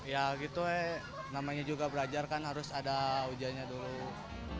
ya gitu namanya juga belajar kan harus ada ujiannya dulu